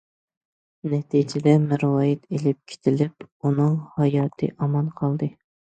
نەتىجىدە مەرۋايىت ئېلىپ كېتىلىپ، ئۇنىڭ ھاياتى ئامان قالدى.